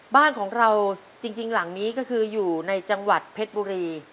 บ้านของเราจริงหลังนี้ก็คืออยู่ในจังหวัดเพชรบุรี